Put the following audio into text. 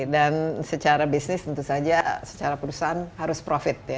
dan secara bisnis tentu saja secara perusahaan harus profit ya